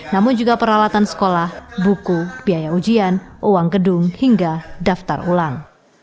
namun juga peralatan sekolah buku biaya ujian uang gedung hingga daftar ulang